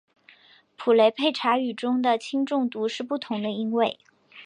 普雷佩查语中的轻重读是不同的音位。